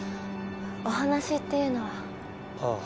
お話っていうのは？